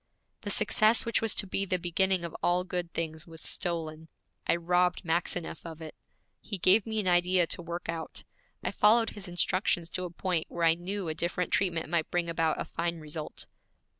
The success which was to be the beginning of all good things was stolen. I robbed Maxineff of it. He gave me an idea to work out. I followed his instructions to a point where I knew a different treatment might bring about a fine result.